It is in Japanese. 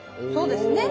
そうですね。